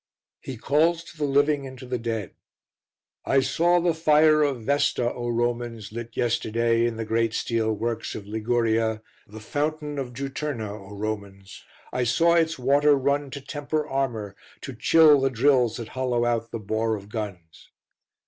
He calls to the living and to the dead: "I saw the fire of Vesta, O Romans, lit yesterday in the great steel works of Liguria, The fountain of Juturna, O Romans, I saw its water run to temper armour, to chill the drills that hollow out the bore of guns."